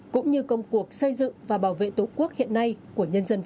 cũng như công cuộc xây dựng và bảo vệ tổ quốc hiện nay của nhân dân việt